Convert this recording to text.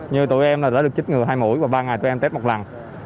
như tụi em là đã được chích ngừa hai mũi và ba ngày tụi em tết một lần